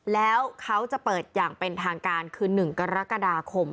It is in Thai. แล้วเขาจะเปิดอย่างเป็นทางการคือ๑กรกฎาคม